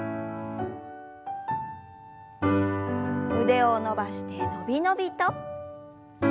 腕を伸ばしてのびのびと。